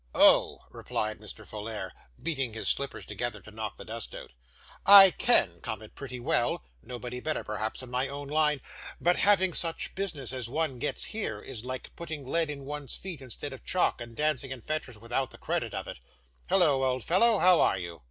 'Oh!' replied Mr. Folair, beating his slippers together, to knock the dust out; 'I CAN come it pretty well nobody better, perhaps, in my own line but having such business as one gets here, is like putting lead on one's feet instead of chalk, and dancing in fetters without the credit of it. Holloa, old fellow, how are you?